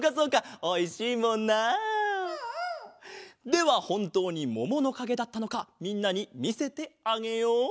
ではほんとうにもものかげだったのかみんなにみせてあげよう。